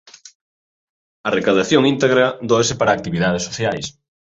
A recadación íntegra dóase para actividades sociais.